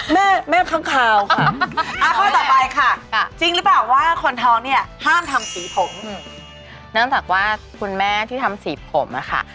เนื่องจากว่าคุณแม่ที่ทำสีผมอะค่ะ